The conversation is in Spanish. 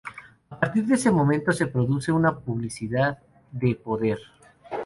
A partir de ese momento se produce una duplicidad de poder.